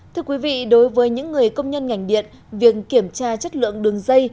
thưa quý vị đối với những người công nhân ngành điện việc kiểm tra chất lượng đường dây